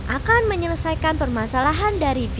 akan menyelesaikan permasalahan dari virus